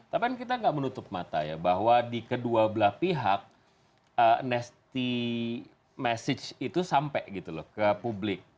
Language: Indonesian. tapi kan kita nggak menutup mata ya bahwa di kedua belah pihak anesty message itu sampai gitu loh ke publik